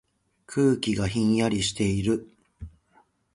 空気がひんやりしている。